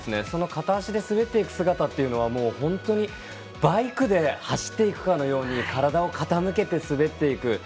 その片足で滑っていく姿は本当にバイクで走っていくかのように体を傾けて滑っていく。